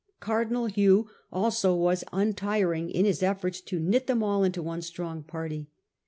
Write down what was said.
Cardinal Hugh also was untiring in his efibrts to knit them all into one strong party.